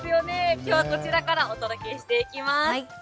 きょうはこちらからお届けしていきます。